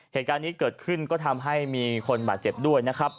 เหตุการณ์นี้เกิดขึ้นก็ทำให้มีคนบาดเจ็บด้วยนะครับ